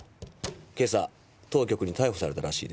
今朝当局に逮捕されたらしいですよ？